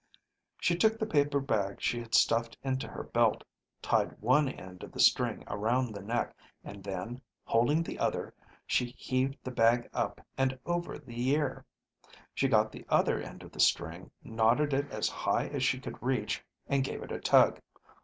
She took the paper bag she had stuffed into her belt, tied one end of the string around the neck, and then, holding the other, she heaved the bag up and over the ear. She got the other end of the string, knotted it as high as she could reach, and gave it a tug.